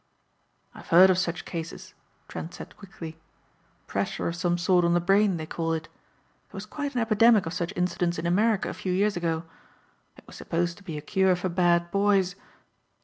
"I've heard of such cases," Trent said quickly. "Pressure of some sort on the brain they call it. There was quite an epidemic of such incidents in America a few years ago. It was supposed to be a cure for bad boys.